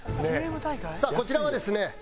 さあこちらはですね